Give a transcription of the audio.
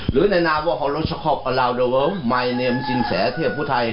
หรือในนาว่าของรักษาครอบครอบคราวเดอร์เวิลมายเนมสินแสเทพผู้ไทย